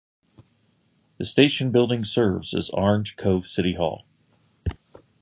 The station building serves as Orange Cove City Hall.